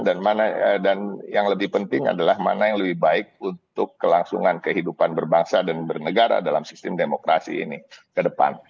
dan mana yang lebih penting adalah mana yang lebih baik untuk kelangsungan kehidupan berbangsa dan bernegara dalam sistem demokrasi ini ke depan